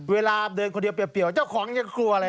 เวลาเดินคนเดียวเปรียวเจ้าของยังกลัวเลย